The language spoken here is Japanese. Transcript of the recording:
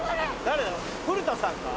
誰だろう古田さんか？